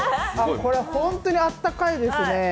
これ、本当にあったかいですね。